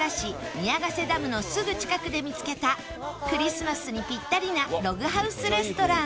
宮ヶ瀬ダムのすぐ近くで見つけたクリスマスにピッタリなログハウスレストラン